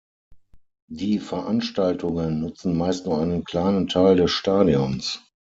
Die Veranstaltungen nutzen meist nur einen kleinen Teil des Stadions.